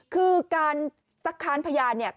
คือการสักครั้งพยาน